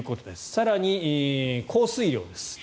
更に、降水量です。